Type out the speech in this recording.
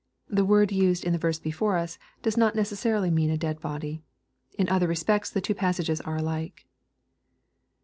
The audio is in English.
The word used in the verse before us, does not necessarily mean a dead body. In other respects the two passages are alike.